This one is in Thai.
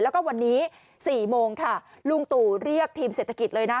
แล้วก็วันนี้๔โมงค่ะลุงตู่เรียกทีมเศรษฐกิจเลยนะ